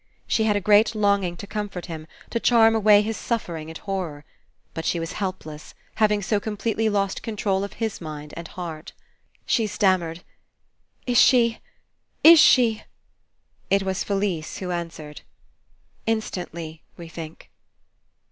She had a great longing to comfort him, to charm away his suffering and horror. But she was helpless, having so completely lost control of his mind and heart. She stammered: *'Is she — is she —?" It was Felise who answered. "Instantly, we think."